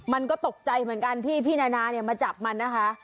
มันก็ตกใจเหมือนกันที่พี่นานาเนี่ยมาจับมันนะคะ